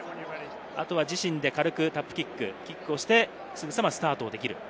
あとは自身で軽くタップキックをして、すぐさまスタートできる。